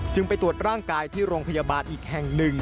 จึงไปตรวจร่างกายที่โรงพยาบาลอีกแห่ง๑